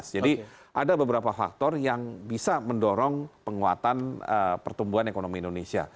jadi ada beberapa faktor yang bisa mendorong penguatan pertumbuhan ekonomi indonesia